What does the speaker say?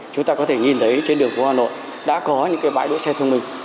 chúng ta có thể nhìn thấy trên đường của hà nội đã có những bãi đỗ xe thông minh